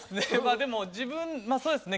でも自分まあそうですね